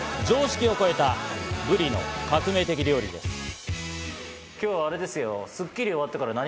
常識を超えたブリの革命的料理です。